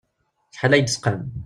Acḥal ad yi-id-tesqam.